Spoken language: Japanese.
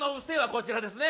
こちらですわ。